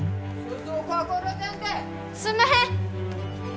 すんまへん！